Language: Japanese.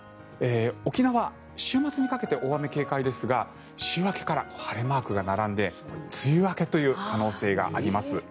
沖縄、週末にかけて大雨警戒ですが週明けから晴れマークが並んで梅雨明けという可能性があります。